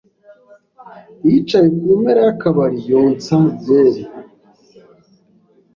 yicaye ku mpera y’akabari, yonsa byeri.